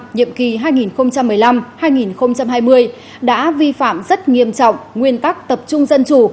nhiệm kỳ hai nghìn một mươi năm hai nghìn hai mươi đã vi phạm rất nghiêm trọng nguyên tắc tập trung dân chủ